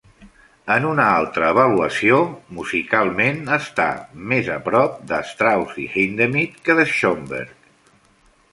En una altra avaluació, musicalment, està més prop de Strauss i Hindemith que de Schoenberg.